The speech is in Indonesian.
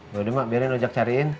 yaudah mak biarin ojak cariin